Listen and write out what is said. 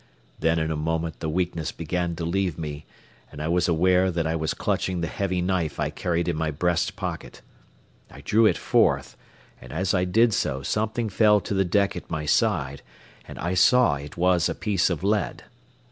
Then in a moment the weakness began to leave me, and I was aware that I was clutching the heavy knife I carried in my breast pocket. I drew it forth, and as I did so, something fell to the deck at my side, and I saw it was a piece of lead.